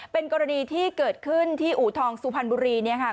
เป็นกรณีที่เกิดขึ้นที่อุทองสุพันธ์บุรีนี่ค่ะ